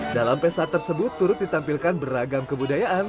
dalam pesta tersebut turut ditampilkan beragam kebudayaan